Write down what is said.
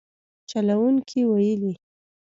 چلوونکو ویلي